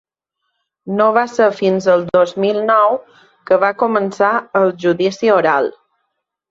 No va ser fins el dos mil nou que va començar el judici oral.